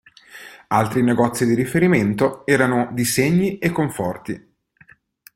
Altri negozi di riferimento erano Di Segni e Conforti.